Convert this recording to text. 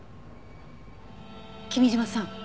君嶋さん